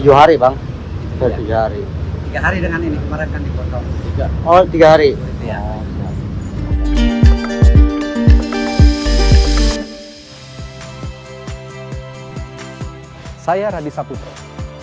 berarti ini hari terakhir